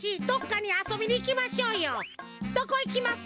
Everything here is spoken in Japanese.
どこいきます？